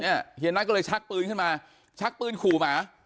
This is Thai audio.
เฮียนัทก็เลยชักปืนขึ้นมาชักปืนขู่หมา